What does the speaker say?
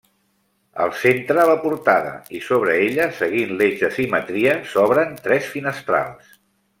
Al centre la portada i sobre ella seguint l'eix de simetria s'obren tres finestrals.